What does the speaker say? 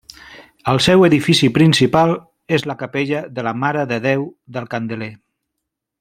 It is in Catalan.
El seu edifici principal és la capella de la Mare de Déu del Candeler.